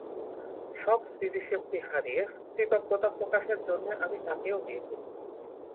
সব স্মৃতিশক্তি হারিয়ে কৃতজ্ঞতা প্রকাশের জন্যে আমি তাকেও বিয়ে করি।